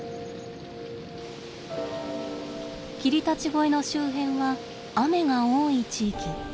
霧立越の周辺は雨が多い地域。